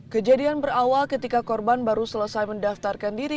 kejadian berawal ketika korban baru selesai mendaftarkan diri